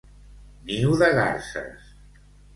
Niu de garses.